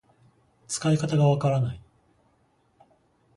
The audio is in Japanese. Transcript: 使い方がわからない